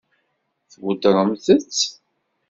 Tweddṛemt-tt?